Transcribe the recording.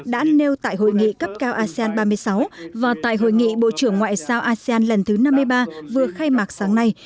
đã nêu tại hội nghị cấp cao asean ba mươi sáu và tại hội nghị bộ trưởng ngoại giao asean lần thứ năm mươi ba vừa khai mạc sáng nay